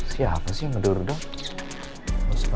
siapa sih yang ngedur dur